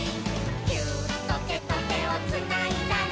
「ギューッとてとてをつないだら」